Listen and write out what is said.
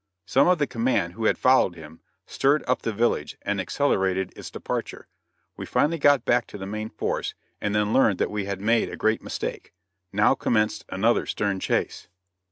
Some of the command, who had followed him, stirred up the village and accelerated its departure. We finally got back to the main force, and then learned that we had made a great mistake. Now commenced another stern chase.